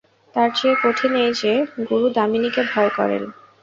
তার চেয়ে কঠিন এই যে, গুরু দামিনীকে ভয় করেন।